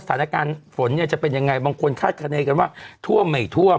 สถานการณ์ฝนเนี่ยจะเป็นยังไงบางคนคาดคณีกันว่าท่วมไม่ท่วม